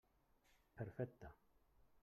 Perfecte!